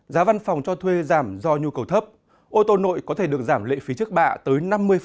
giá văn phòng cho thuê giảm do nhu cầu thấp ô tô nội có thể được giảm lệ phí trước bạ tới năm mươi